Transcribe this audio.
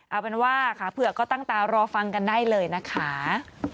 เอาเป็นว่าขาเผือกก็ตั้งตารอฟังกันได้เลยนะคะ